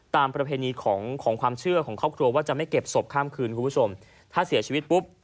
ประเพณีของของความเชื่อของครอบครัวว่าจะไม่เก็บศพข้ามคืนคุณผู้ชมถ้าเสียชีวิตปุ๊บ